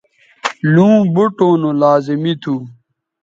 لوں بوٹوں نو لازمی تھو